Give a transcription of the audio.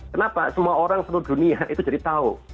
kenapa semua orang seluruh dunia itu jadi tahu